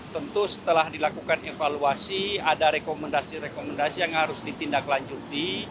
tentu setelah dilakukan evaluasi ada rekomendasi rekomendasi yang harus ditindaklanjuti